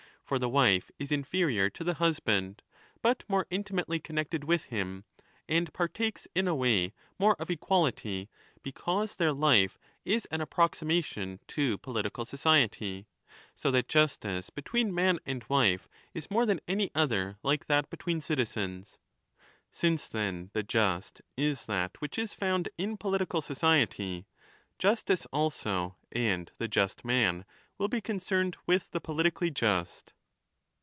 For the wife 25 is inferior to the husband, but more intimately connected with him, and partakes in a way more of equality, because their life is an approximation to political society, so that justice between man and wife is more than any other like that between citizens. Since, then, the just is that which is found in political society, justice also and the just man will be concerned with the politically just.